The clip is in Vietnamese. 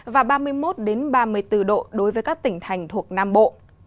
và ba mươi một ba mươi bốn độ đối với các tỉnh thành thuộc nam bộ